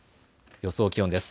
予想気温です。